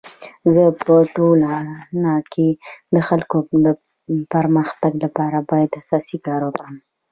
زه په ټولنه کي د خلکو د پرمختګ لپاره باید اساسي کار وکړم.